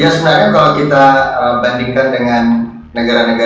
ya sebenarnya kalau kita bandingkan dengan negara negara